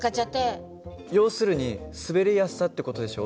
要するに滑りやすさって事でしょ。